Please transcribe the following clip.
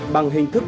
bằng hình thức